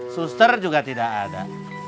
suster juga tidak ada